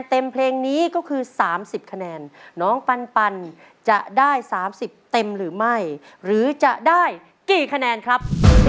เพลงนี้ก็คือ๓๐คะแนนน้องปันจะได้๓๐เต็มหรือไม่หรือจะได้กี่คะแนนครับ